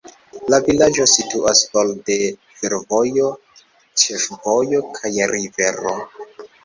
La vilaĝo situas for de fervojo, ĉefvojo kaj rivero.